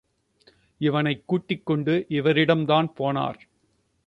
இவனைக் கூட்டிக் கொண்டு இவரிடம்தான் போனார்.